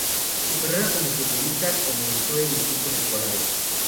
Su carrera como futbolista comenzó en equipos escolares.